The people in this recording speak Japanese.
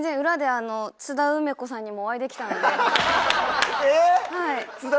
裏であの津田梅子さんにもお会いできたので。